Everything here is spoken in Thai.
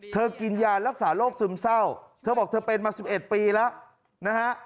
กินยารักษาโรคซึมเศร้าเธอบอกเธอเป็นมา๑๑ปีแล้วนะฮะ